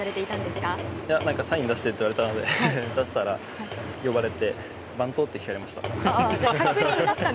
何かサイン出してって言われたので出したら、呼ばれてバント？って聞かれました。